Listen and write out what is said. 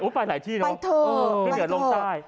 อุ๊ยไปหลายที่เนอะไปเถอะไปเถอะขึ้นเหนือลงใต้